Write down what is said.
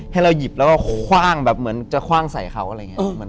ให้เราหยิบแล้วก็คว่างแบบเหมือนจะคว่างใส่เขาอะไรอย่างนี้